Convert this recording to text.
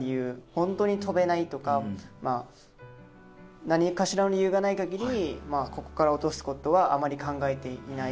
ホントに跳べないとか何かしらの理由がないかぎりここから落とすことはあまり考えていない。